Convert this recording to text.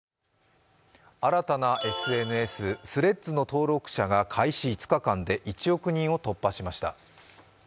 新たなＳＮＳ、Ｔｈｒｅａｄｓの登録者が開始５日間で１億人を突破しました。